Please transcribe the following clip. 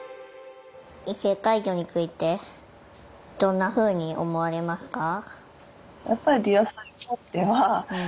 異性介助についてどんなふうに思われますか？